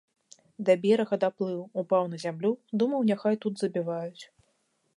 Да берага даплыў, упаў на зямлю, думаю, няхай тут забіваюць.